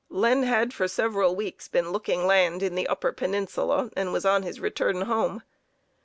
Len had for several weeks been looking land in the upper peninsula, and was on his return home.